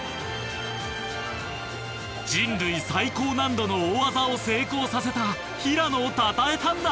人類最高難度の大技を成功させた。